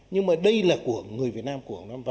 nhưng mà đây là của người việt nam của người hồng nam